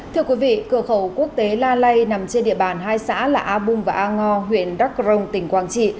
thưa quý vị cửa khẩu quốc tế la lây nằm trên địa bàn hai xã là a bung và a ngo huyện đắc rồng tỉnh quang trị